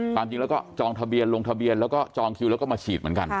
ความจริงแล้วก็จองทะเบียนลงทะเบียนแล้วก็จองคิวแล้วก็มาฉีดเหมือนกัน